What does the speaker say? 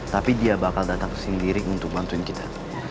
tapi dia bakal datang kesini diri untuk bantuin kita